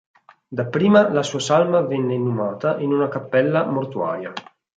Dapprima la sua salma venne inumata in una cappella mortuaria.